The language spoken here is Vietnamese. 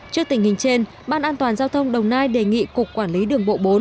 trước tình hình trên ban an toàn giao thông đồng nai đề nghị cục quản lý đường bộ bốn